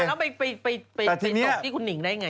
ที่ตกที่คุณหนิงได้อย่างไร